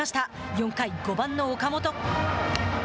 ４回、５番の岡本。